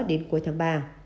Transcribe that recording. đến cuối tháng ba